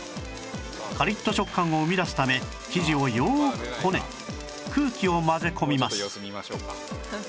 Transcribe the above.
カリッと食感を生み出すため生地をよーくこね空気を混ぜ込みます